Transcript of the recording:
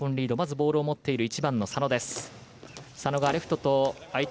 ボールを持っている１番の佐野。